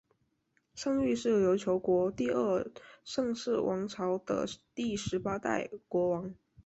尚育是琉球国第二尚氏王朝的第十八代国王。